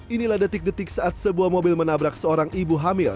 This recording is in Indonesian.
inilah detik detik saat sebuah mobil menabrak seorang ibu hamil